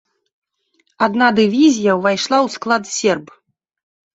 Адна дывізія ўвайшла ў склад серб.